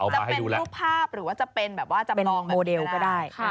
จะเป็นภาพหรือว่าจะเป็นแบบว่าจะมองแบบนี้ก็ได้